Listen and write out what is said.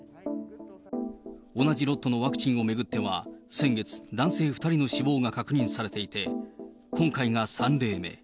同じロットのワクチンを巡っては、先月、男性２人の死亡が確認されていて、今回が３例目。